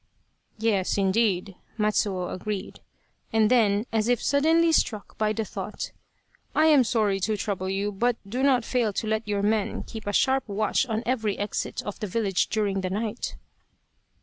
" Yes, indeed," Matsuo agreed ; and then as if suddenly struck by the thought, " I am sorry to trouble you, but do not fail to let your men keep a sharp watch on every exit of the village during the night."